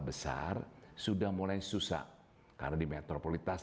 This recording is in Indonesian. berhenti berkeliling sebagai sebuah kelompok sirkus